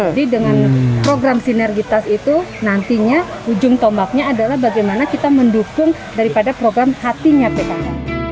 jadi dengan program sinergitas itu nantinya ujung tombaknya adalah bagaimana kita mendukung daripada program hatinya pkk